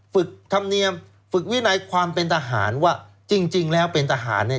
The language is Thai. ฝึกธรรมเนียมฝึกวินัยความเป็นทหารว่าจริงแล้วเป็นทหารเนี่ย